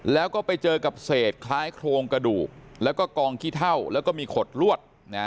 แล้วก็ไปเจอกับเศษคล้ายโครงกระดูกแล้วก็กองขี้เท่าแล้วก็มีขดลวด